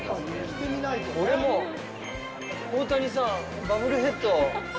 これもう、大谷さんバブルヘッド。